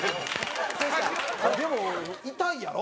でも痛いやろ？